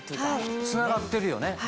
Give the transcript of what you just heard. つながってるよね。